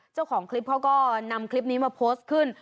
เจ้าของคลิปเขาก็นำคลิปนี้มาโพสต์ขึ้น